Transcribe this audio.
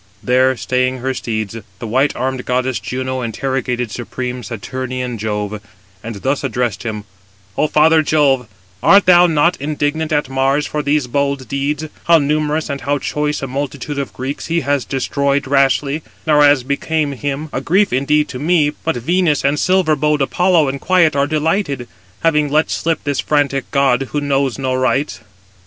There staying her steeds, the white armed goddess Juno interrogated supreme Saturnian Jove, and thus addressed him: "O father Jove, art thou not indignant at Mars for these bold deeds,—how numerous and how choice a multitude of Greeks he has destroyed rashly, nor as became him: a grief indeed to me; but Venus and silver bowed Apollo in quiet are delighted, having let slip this frantic [god], who knows no rights.